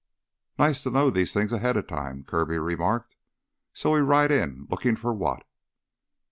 "Nice to know these things ahead'a time," Kirby remarked. "So we ride in lookin' for what?"